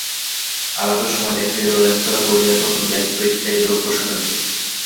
আলাপের সময় দেখা গেল রেস্তোরাঁ কর্মীরা তখন ব্যস্ত ইফতারি দ্রব্য সাজাতে।